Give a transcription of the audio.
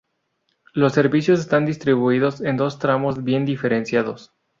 Los servicios están distribuidos en dos tramos bien diferenciados.